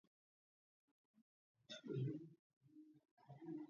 ნაშენია კლდისა, შირიმის ქვისა და კირისაგან.